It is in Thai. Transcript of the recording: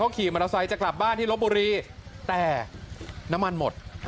ขี่มอเตอร์ไซค์จะกลับบ้านที่ลบบุรีแต่น้ำมันหมด